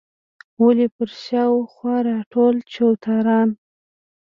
ولې پر شا او خوا راټول چوتاران.